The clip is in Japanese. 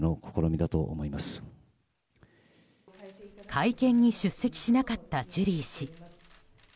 会見に出席しなかったジュリー氏。